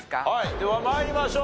では参りましょう。